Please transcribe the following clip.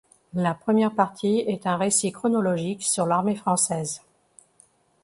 La première partie est un récit chronologique sur l'armée française.